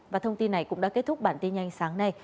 và thông tin này cũng đã kết thúc bản tin nhanh sáng nay